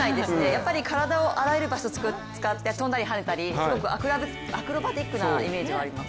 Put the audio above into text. やっぱり体をあらゆる場所を使って、跳んだりはねたりすごくアクロバティックなイメージがあります。